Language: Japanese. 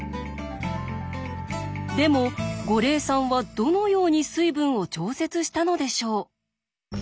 でも五苓散はどのように水分を調節したのでしょう。